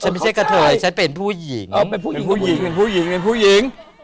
ไม่ใช่กะเทยเป็นผู้หญิง